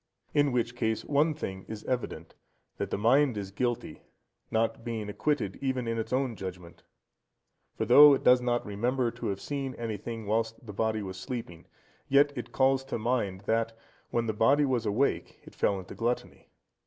In which case, one thing is evident, that the mind is guilty, not being acquitted even in its own judgement; for though it does not remember to have seen anything whilst the body was sleeping, yet it calls to mind that, when the body was awake, it fell into gluttony.